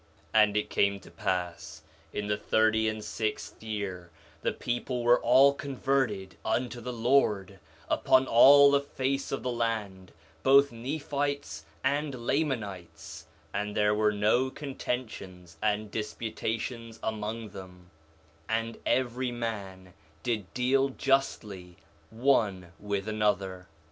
4 Nephi 1:2 And it came to pass in the thirty and sixth year, the people were all converted unto the Lord, upon all the face of the land, both Nephites and Lamanites, and there were no contentions and disputations among them, and every man did deal justly one with another.